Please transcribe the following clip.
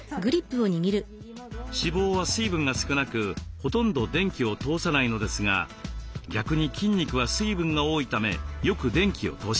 脂肪は水分が少なくほとんど電気を通さないのですが逆に筋肉は水分が多いためよく電気を通します。